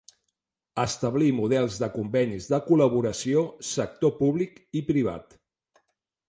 Establir models de convenis de col·laboració sector públic i privat.